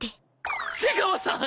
瀬川さん！